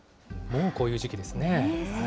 もう、こういう時期ですね。